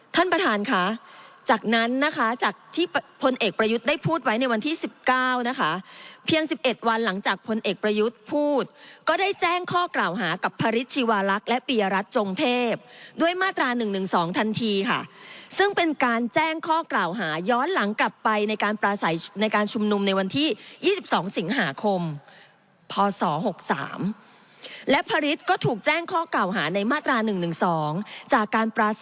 ท่านประธานค่ะจากนั้นนะคะจากที่พลเอกประยุทธ์ได้พูดไว้ในวันที่๑๙นะคะเพียง๑๑วันหลังจากพลเอกประยุทธ์พูดก็ได้แจ้งข้อกล่าวหากับพระฤทธิ์ชีวรักษณ์และปียรัทธ์จงเทพด้วยมาตรา๑๑๒ทันทีค่ะซึ่งเป็นการแจ้งข้อกล่าวหาย้อนหลังกลับไปในการปราศัยในการชุมนุมในวันที่๒๒สิงหาค